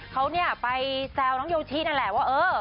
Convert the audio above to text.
เขาไปแซวน้องโยทีนั่นแหละว่าเออ